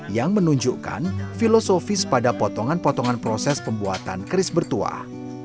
yang menunjukkan filosofis pada potongan potongan proses pembuatan keris bertuah